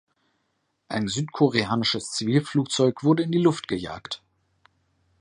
Ein südkoreanisches Zivilflugzeug wurde in die Luft gejagt.